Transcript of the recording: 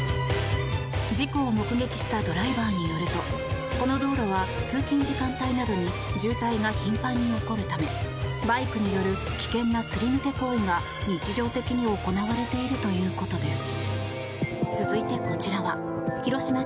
事故を目撃したドライバーによるとこの道路は通勤時間帯などに渋滞が頻繁に起こるためバイクによる危険なすり抜け行為が日常的に行われているということです。